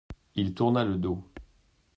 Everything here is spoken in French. Il tourna le dos.